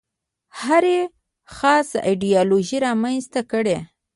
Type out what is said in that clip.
هرې خاصه ایدیالوژي رامنځته کړې.